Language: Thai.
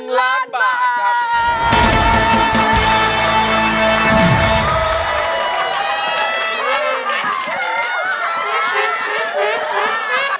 ๑ล้านบาทครับ